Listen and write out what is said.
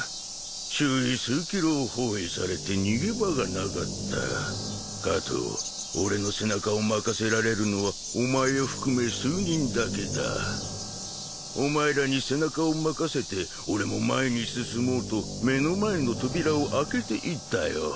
周囲数キロを包囲されて逃げ場がなかった加藤俺の背中を任せられるのはお前を含め数人だけだお前らに背中を任せて俺も前に進もうと目の前の扉を開けていったよ